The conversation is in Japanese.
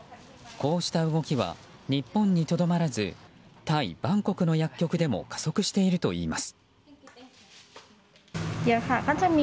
こうした動きは日本にとどまらずタイ・バンコクの薬局でも加速しているといいます。